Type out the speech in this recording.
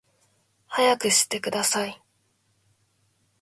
速くしてください